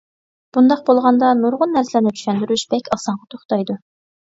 بۇنداق بولغاندا نۇرغۇن نەرسىلەرنى چۈشەندۈرۈش بەك ئاسانغا توختايدۇ.